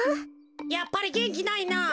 やっぱりげんきないな。